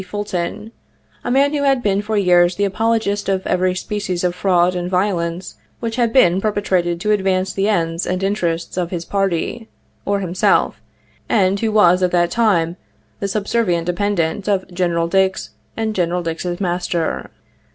Ful ton, a man who had been for years the apologist of every species of fraud and violence which had been perpetrated to advance the ends and interests of his party or himself, and who was at that time the subservient dependant of Gen. Dix and Gen. Dix's master.